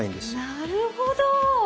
なるほど！